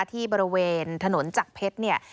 ที่บริเวณถนนจักรเพชร